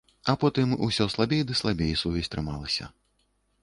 А потым усё слабей ды слабей сувязь трымалася.